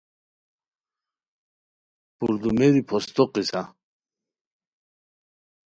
پوردومیری پھوستو قصہ